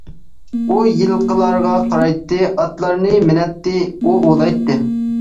ئۇ يىلقىلارغا قارايتتى، ئاتلارنى مىنەتتى، ئوۋ ئوۋلايتتى.